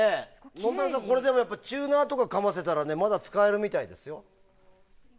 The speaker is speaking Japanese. のんたろうさんチューナーとかかませたらまだ使えるみたいですよ。